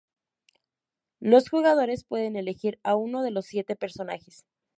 Los jugadores pueden elegir a uno de los siete personajes.